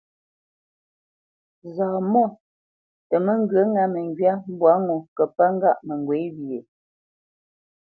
Zaamɔ̂ tə mə́ ŋgyə̌ ŋá məŋgywá mbwǎ ŋo kə́ pə́ŋgâʼ mə ŋgywě ghyê ?